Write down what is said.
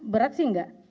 berat sih enggak